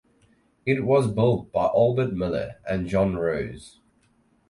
It was built by Albert Miller and John Rose.